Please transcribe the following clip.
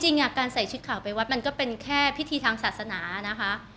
การใส่ชุดข่าวไปวัดมันก็เป็นแค่พิธีทางศาสนานะคะ